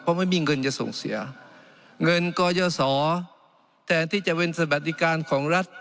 เพราะไม่มีเงินจะส่งเสียเงินกยศรแต่ที่จะเป็นสวัสดิการของรัฐ